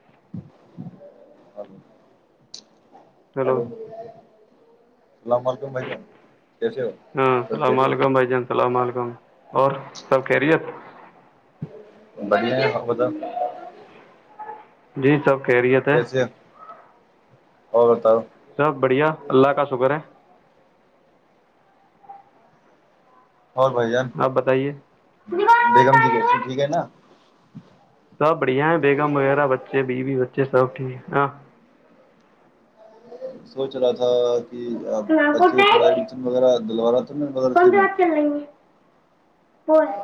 ا [inaudible] hello کو [inaudible] اسلام علیکم بھائی جان [unintelligible] ہاں سب السلام علیکم خیریت بھائی جان السلام علیکم [unintelligible] اور سب کہہرییت [unintelligible] بڑیا ہو تو [inaudible] جی سب [inaudible] خیریت تھا [inaudible] اور بتاار [inaudible] سب بڑھیا اللہ کا شکر ہے [unintelligible] اور بھ جان آپ بتائیے بیگم جی کہس ٹھیک ہے نا السلام علیکم محترم بھائی جان سب بڑھیا ہے بیگم وغیرہ بچے بیوی بچے سب ٹھیک ہاں سوچ رہا تھا بچے کو تھوڑا ایڈمیشن وغیرہ دلورہ کون س رات چل رہیں گے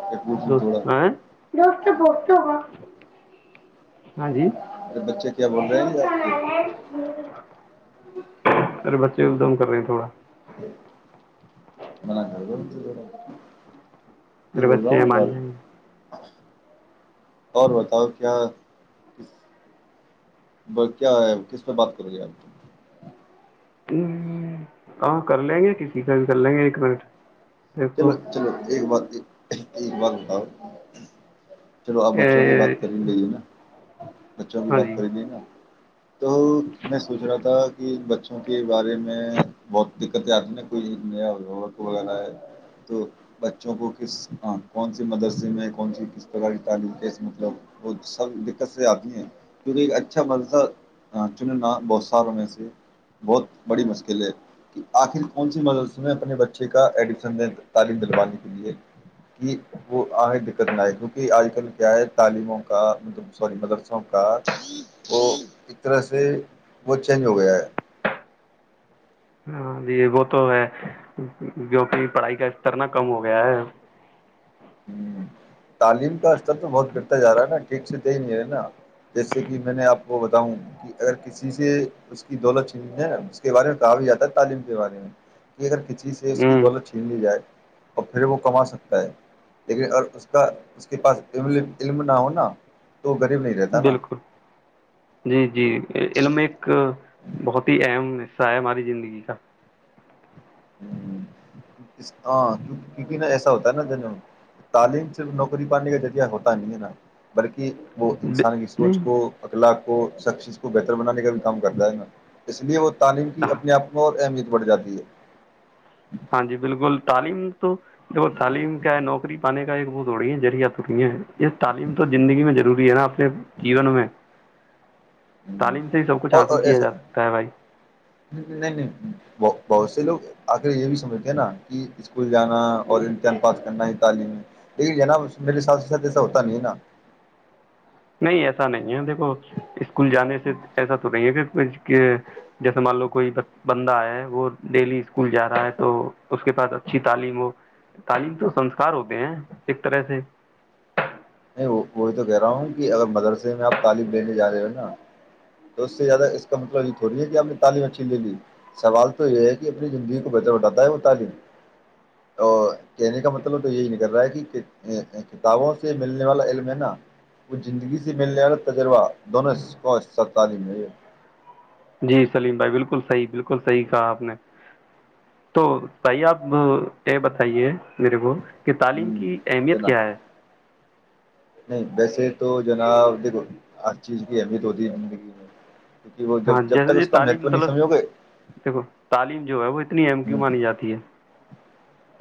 کہ پوچھوں دوست تھوڑا دوست تو بہ ہوگا ہاں جی ارے بچے کیا بول رہے ہیں ج آپ کے ارے بچے ادوم کر رہے ہیں تھوڑا ج م ج رہ ا پچ ام اور بتاؤ کیا کیا ہے کس پہ بات کرو گی آپ ہ آ کر لیں گے کسی کا بھی کر لیں گے ایک منٹ دیکھو چلو چلو ایک بات ج باتتاؤ چلو آپ بچوں کی بات اے- کریں گے نا بچوں کی ہاں بات جی کری نہیں نا تو میں سوچ رہا تھا کہ بچوں کے بارے میں بہت دقتیں آتی نا کوئی نیا وورک وغیرہ ہے تو بچوں کو کس کون سےی مدرسے میں کون سی کس پرکار کی تعلیم کیس مطلب وہ سب دقت سے آتی ہیں کیونکہ ایک اچھا مدسہ چننا بہت سالوں میں سے بہت بڑی مشکل ہے کہ آخر کون سی مدرسے میں اپنے بچے کا ایڈمیشن دین تعلیم دلوانے کے لیے کہ وہ آگیں دقت نہ آئے کیونکہ آج کل کیا ہے تعلیموں کا مطلب سوری مدرسوں کا وہ ایک طرح سے وہ چینج ہو گیا ہے ہاں جی وہ تو ہے جو کہ پڑھائی کا استرنا کم ہو گیا ہے ہ تعلیم کا سب تو بہت گرتا جا رہا نا ھ سےے نہیں ہے نا جیسے کہ میں نے آپ کو بتاؤں کہ اگر کسی سے اس کی دولت چ ہے اس کے بارے میں کہا بھی جاتا ہے تعلیم کے بارے میں کہ اگر کسی جی سے اس کی ہوں دولت چھین لی جائے اور پھر وہ کما سکتا ہے لیکن اور اس کا اس کے پاس علم نہ ہوناا بالکل جی جی علم ایک بہت ہی ام حصہ ہے ہماری زندگی کا ہاں کیونکہ نا ایسا ہوتا ہے نا جن تعلیم سے نوکری پانے کا ذریعہ ہوتا نہیں ہے نا بلکہ کہ وہ ب- انسان کی سوچ نہیں کو اطلاق کو سخ سے کو بہتر بنانے کا بھی کام کرتا ہے ن اس لیے وہ تعلیم کی ہاں اپنے آپ میں اور اہمیت بڑ جاتی ہے ہاں جی بالکل تعلیم تو دیکھو تعلیم کیا ہے نوکری پانے کا ایک بوتڑی ہے جرییا ٹٹں ہیں یہ تعلیم تو زندگی میں ضروری ہے نا اپنے جیون میں ہوں۔ تعلیم سے ہی سب کچھ اور حاصل اور کیا ایسا جا سکتا ہے بھائی نہیں نہیں بہ- بہت سے لوگ آخر یہ بھی سمجھتے ہیں نا کہ اسکول جانا اور امتحان پات کرنا ہے تعلیم میں لیکن نا میرے ساتھ ساتھ ایسا ہوتا نہیں ہے نا نہیں ایسا نہیں ہے دیکھو اسکول جانے سے ایسا تو نہیں ہے پھر جیسے مان لو کوئی بندہ ہے وہ ڈیلی اسکول جا رہا ہے تو اس کے پاس اچھی تعلیم ہو تعلیم تو سنسکار ہوتے ہیں ایک طرح سے نہیں وہی تو کہہ رہا ہوں کہ اگر مدرسے میں آپ تعلیم لینے جا رہے ہو نا تو اس سے زیادہ اس کا مطلب یہ تھوڑی ہے کہ آپ نے تعلیم اچھی لے لی سوال تو یہ ہے کہ اپنی زندگی کو بہتر بھاتا ہے وہ تعلیم اور کہنے کا مطلب تو یہی نہیں کر رہا ہے کہ کتابوں سے ملنے والا علم ہے نا وہ زندگی سے ملنے والا تجربہ دونوں کوصہ تعلیم ہے جی سلیم بھائی بالکل صحیح بالکل صحیح کہا آپ نے تو بھائی آپ یہ بتائیے میرے کو کہ تعلیم یہ کی اہمیت جنا کیا ہے نہیں ویسے تو جناب دیکھو ہر چیز کی اہمیت ہوتی ہے زندگی میں کیکہ وہ جب ہاں جب تک جیسے یہ اس کا تعلیم مہتو نہیں مطلب سمجھو گے دیکھو تعلیم جو اتنی ایم کیو مانی جاتی ہے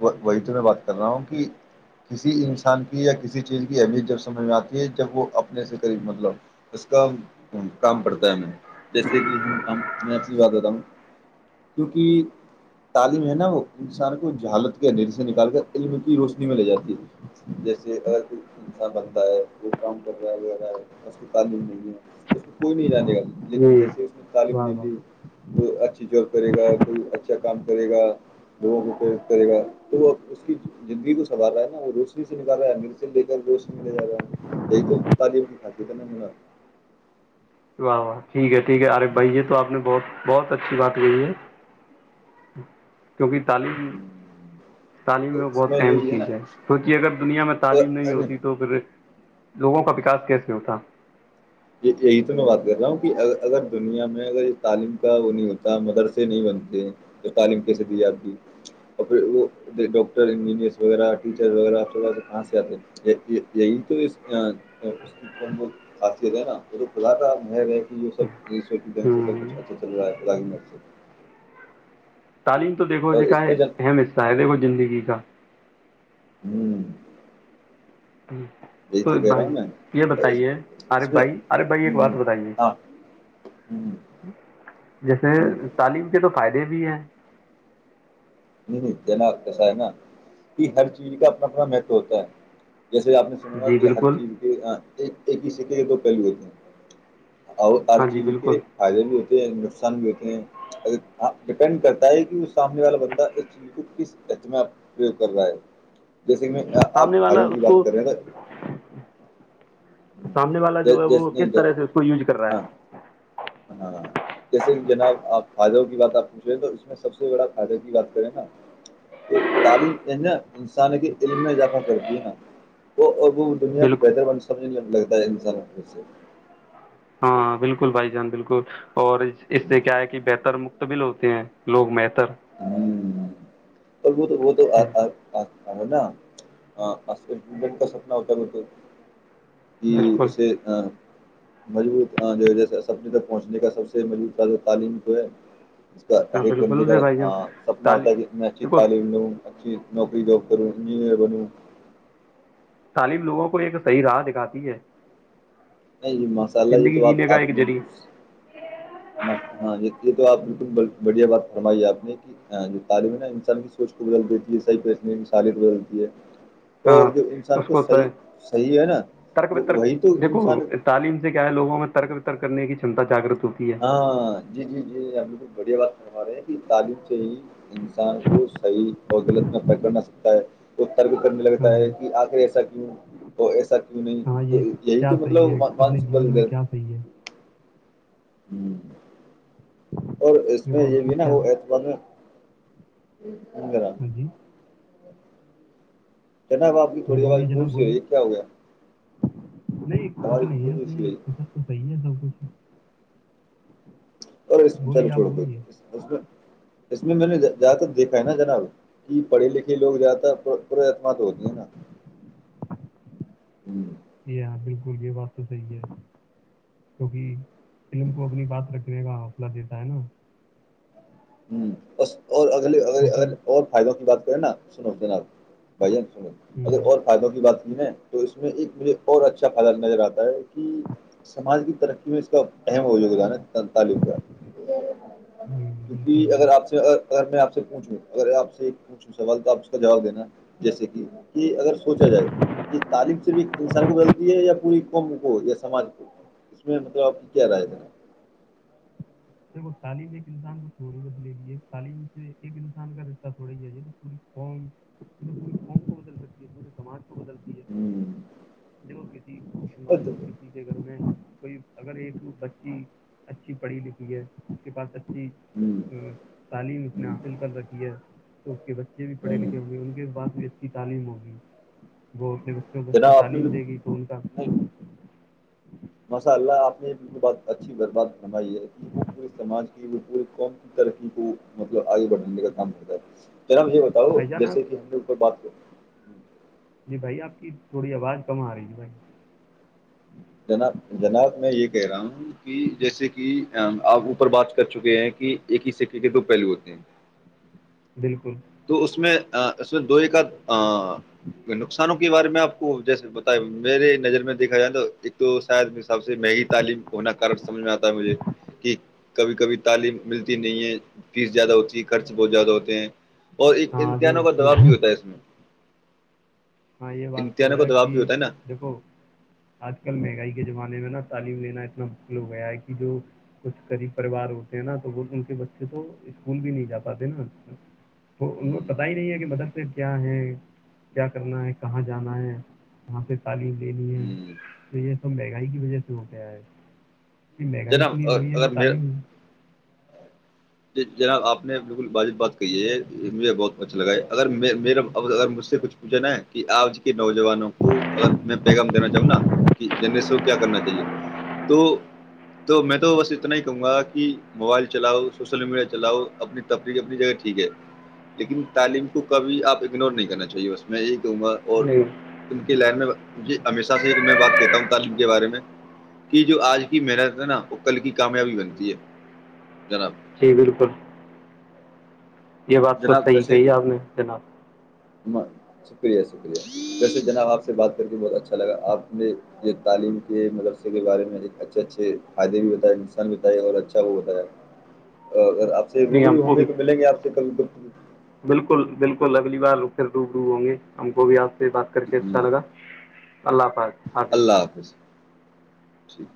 وہی تو میں بات کر رہا ہوں کہ کسی انسان کی یا کسی چیز کی اہمیت جب سمجھ میں آتی ہے جب وہ اپنے سے قریب مطلب اس کا کام پڑتا ہےیں جیسے کہ ہم میں یاد دیتا ہوں کیونکہ تعلیم ہے نا وہ انسان کو جو حالت کے اندھیر سے نکال کر علم کی روشنی میں لے جاتی ہے جیسے اگر کوئی انسان بنتا ہے کوئی کام کر رہا ہے وغیرہ ہے اس کو تعلیم نہیں ہے تو اس میں کوئی نہیں جانے کا لیکن جی جیسے اس نے تعلیم واہ لے واہ لی کوئی اچھی جاب کرے گا کوئی اچھا کام کرے گا لوگوں کو پھر کرے گا تو وہ اس کی زندگی کو سنوار رہا ہے نا وہ روشنی سے نکال رہا ہے مر سے لے کر روشنی لے جا رہا ہے یہی تو تعلیم کی خاصیت ہے نا ما واہ واہ ٹھیک ہے ٹھیک ہے عارف بھائی یہ تو آپ نے بہت بہت اچھی بات کہی ہے کیونکہ تعلیم جناب تعلیم اس بہت میں یہ اہم بھی چیز ہے کیونکہ اگر دنیا میں تعلیم نہیں ہے نا ہوتی تو پھر لوگوں کا وکاس کیس میں ا تھا یہی تو میں بات کر رہا ہوں کہ اگر دنیا میں اگر تعلیم کا وہ نہیں ہوتا مدرسے نہیں بنتے تو تعلیم کیسے دی جاتی اور پھر وہ ڈاکٹر انجینئر وغیرہ ٹیچر وغیرہ آ کہاں سے آتے یہی تو اس کیاص ے نا وہ تو کلا تھا م کہ یہ سب یہان سے تو ہوں کچ اچھا رج مر سے تعلیم تو دیکھو اور ج کا اس میں ہے جن اہم حصہ ہے دیکھو زندگی کا ہوں [inaudible] ہ یہی تو کہہ رہا ہوں بھائی میں یہ اور اس بتائیے آرف اس میں بھائی آرف بھائی ایک ہوں ہوں، بات بتائیے ہاں ہوں جیسے ہوں، تعلیم کے تو فائدے اے بھی ہے نہیں نہیں جینا کیسا ہے نا کہ ہر چیز کا اپنا اپنا مہتو ہوتا ہے جیسے آپ نے سناوں گا جی کہ ہر بالکل چیز کے ایک ایک ہی س کے یہ تو پہل ہو تھے اور ہر ہاں جی چیز بالکل کے فائدے بھی ہوتے ہیں بھی ہوتے ہیںپ ڈپینڈ کرتا ہے کہ وہ سامنے والا بندہ ایی کو کس ایچ میںپ پریوگ کر رہا ہے جیسے میں آپ سامنے والا بھائیوں کی اس بات کو کر رہے ہیں سامنے والا جو ہے وہ کس جیسے طرح سے اس کو یوز کر رہا ہاں ہے ہاں جیسے جناب آپ فائدوں کی بات آپ پوچھ رہے ہیں تو اس میں سب سے بڑا فائدوں کی بات کریں نا تو تعلیم جو ہے نا انسان کے علم میں اضافہ کرتی ہے نا وہ وہ دنیا کو بالکل بہتر بن سمنے [unintelligible] لگتا ہے انسانوں سے ہاں بالکل بھائی جان بالکل اور اس سے کیا ہے کہ بہتر مقتبل ہو ہیں لوگ م تر [unintelligible] ہوں اور وہ تو وہ تو انشاءاللہ ا نڈن کا سپنا ہوتا ب تو کہ بالکل اسے ہاں مضبوط جیسے اپنے تک پہنچنے کا سب سے مضبوط تعلیم تو ہے اس کا ہاں تاریخ بن ج بالکل کا بھائی جان سپنا ہوتا تعلیم ہے کہ نچ دیکھو تعلیم ن اچھی نوکری جاب کروں انجینئر بنوں تعلیم لوگوں کو ایک صحیح راہ دکھاتی ہے نہیں یہ مساللہ یہ تو زندگی جینے بات کا آپ ایک نے بھی ذریعہ پوھ م ہاں یہ یہ تو آپ نے بڑھیا بات فرمائی ہے آپ نے کہ ہ جو تعلیم ہے نا انسان کی سوچ کو بدل دیتی ہے صحیح پریش کی سالیت بدلتی ہے اور جو انسان اس کو کوتا صحیح صحیح ہے نا ترک وہ وترک وہی تو دیکھو انسان تعلیم سے کیا ہے لوگوں میں ترک وترک کرنے کیی چنتا جاگک [unintelligible] ہاں جی جی جی ہ بالکل بڑھیا بات ہمارے کی تعاریف سےاہی [unintelligible] انسان کو صحیح اور غلط میں پکڑ نہ سکتا ہے تر کرنے ہاں لگتا جی ہے کہ آخر ایسا کیوں اور ایسا کیوں نہیں ہاں تو یہ یہی کیا تو صحیح ہے مطلب اپنے مانسک بل جیون میں ہے کیا صحیح ہے ہوں اور اس میں دیکھو ہم یہ کو بھی نا کیا وہ ہاں اعتبار میں ہوں [unintelligible] ب جی [unintelligible] جناب آپ کی جی تھوڑی آواز بولیے جناب گونج سی رہی ہے کیا ہو گیا بولیے نہیں آواز کچھ نہیں ہے گونج سی اپنے رہی ہے، طرف تو صحیح ہے سب کچھ [unintelligible] اور چل بولیے آپ چھوڑ گئی بولیے اس میں میں نے زیادہ تر دیکھا ہے نا جناب [unintelligible] کہ پڑھے لکھے لوگ جیااتا پر [unintelligible] پرتم تو ہوتی ہیں نا ہ [unintelligible] گلیے بس صی ہے کیونکہ [unintelligible] علم کو اپنی بات رکھ [unintelligible] سنے کا حلہ دیتا ہے نا [unintelligible] ہوں [unintelligible] اور اگلے ا اگر کیونکہ اور فائدوں کی بات [unintelligible] پنا سنو جناب [unintelligible] بن س ہوں اگر اور فائدوں کی بات [unintelligible] ھیک ہے تو اس میں ایک مجھے اور اچھا فد نظر آتا ہے کہ سماج کی ترقی میں اس کا اہم ہو جو گزان ہے [unintelligible] ستالیس ہزار ہوں [unintelligible] بالکل کیکہ اگر آپ سے اگر میں آپ سے [unintelligible] پوچھ اگر آپ سے پوچھ سوال تو آپ اس کا جواب دینا جیسے کہ کہ اگر سوچا جائے کہ تعلیم صرف ایک انسان کو غلطی ہے یا پوری قوم کو یا سماج کو اس میں مطلب آپ کی کیا رائے دینا [unintelligible] تعلیم ایک انسان کو تھورڑی بدلے دی ہے تعلیم سے ایک انسان کا رشتہ تھوڑی ہی ہے یہ پوری قوم پوری قوم کو بدل سکتی ہے پورے سما [unintelligible] بدلتی ہے دیک کسی مان لو کسی کے گھر میں [unintelligible] کوئی اگر ایک بچی اچھی پڑھی ل [unintelligible] اس کے پاس اچھ [unintelligible] تعلیم اس نے حاصل کر رکھی ہے تو اس کے بچے بھی پڑھے لکھے ہوئے ان کے بعد میں [unintelligible] کی تعلیم ہوگی [unintelligible] وہ اپنے بچوں کو جناب اچھی جناب آپ نے تعلیم دے گی تو ان کا نہیں [unintelligible] ماشاء اللہ آپ نےالکل ب اچھی برباد فرمائی ہے کہ وہ پورے سماج کی وہ پورے قوم کی ترقی کو مطلب آگے بڑھاننے کا کام کرتا ہے [unintelligible] جنابج یہ بتاؤ بھائی جان آپ جیسے کہ ہم نے اوپر بات کیا [unintelligible] جی بھائی آپ کی تھوڑی آواز کم آ رہی ہے بھائی [unintelligible] کہ رہا ہوں کہ جیسے کہ آپ اوپر بات کر چکے ہیں کہ ایک ہی سیک کے تو پہلو ہوتے ہیں [unintelligible] بالکل تو اس میں اس میں دو ایک کا نقصانوں کے بارے میں آپ کو جیسے بتا میرے نظر میں دیکھا جائے توا ایک تو شاید حساب سے مہنگی تعلیم ہونا کارن سمجھ میں آتا ہے مجھے کہ کبھی کبھی تعلیم ملتی نہیں ہے فیس زیادہ ہوتی ہے خرچ بہت زیادہ ہوتے ہیں [unintelligible] اور ایک ہاں جو امتحانوں کا ٹھیک دبؤ بھی ہوتا ہے اس میں [unintelligible] ہاں یہ بات تو امتحانوں کا ہے دباؤ کہ بھی ہوتا ہے نا دیکھو آج کل مہنگائی کے زمانے میں نا تعلیم لینا اتنا مشکل ہو گیا ہے کہ جو کچھ غریب پریوار ہوتے ہیں نا تو وہ ان کے بچے تو اسکول بھی نہیں جا پاتے نا تو انیں ہوں، پتتا ہی نہیں ہے کہ مدر کیا ہے ج [unintelligible] کرنا ہے کہاں جانا ہے کہاں پہ تعلیم دینی ہے ہوں۔ تو یہ سب مہنگائی کی وجہ سے ہو گیا ہے یہ مہنگائی جناب چ لی اور ہوی ہے اگر گ تالی م ج جناب آپ نے بالکل باجب بات کہ ہے مجھے بہت اچھا لگا ہے اگر میر ا اگر مجھ سے کچھ پوچھاناا ہے کہ آج کے نوجوانوں کو اگر میں پیغام دینا چاہوں نا کہ جنریسن کو کیا کرنا چاہیے تو تو میں تو بس اتنا ہی کہوں گا کہ موبائل چلاؤ سول میڈیا چلاؤ اپنی تفریح اپنی جگہ ٹھیک ہے لیکن تعلیم کو کبھی آپ اگنور نہیں کرنا چاہیے بس میں یہی کہوں گا اور نہیں ان کی لائن میں ہمیشہ سے میں بات کہتا ہوں تعلیم کے بارے میں کہ جو آج کی محنت ہے نا وہ کل کی کامیابی بنتی ہے جناب جی بالکل یہ بات تو صحیح کہی ہے آپ نے جناب اں شکریہ شکریہ ویسے جناب آپ سے بات کر کے بہت اچھا لگا آپ نے یہ تعلیم کے مدرسے کے بارے میں ایک اچھے اچھے فائدے بھی بتائے نسان بتائے اور اچھا وہ بتایا اور اگر آپ نہیں ہم روبو کو ہوے بھی تو بل گ ی السلام علیکم محترم [unintelligible] بالکل بالکل اگلی بار پھر ڈوب رو ہوں گے ہم کو بھی آپ پ بات کر کے اچھا لگا اللہ حاظ اللہ حافظ ٹھیک